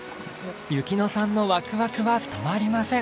由希乃さんのワクワクは止まりません！